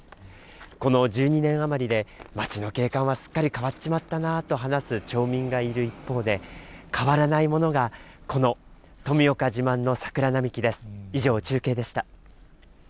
この１２年余りで町の景観はすっかり変っちまったなと話す町民がいる一方で、変わらないものがこの富岡自慢の桜並木です。